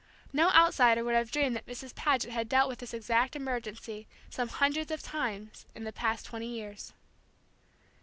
No outsider would have dreamed that Mrs. Paget had dealt with this exact emergency some hundreds of times in the past twenty years.